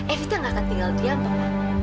evita nggak akan tinggal diam papa